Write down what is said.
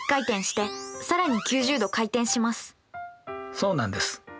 そうなんです。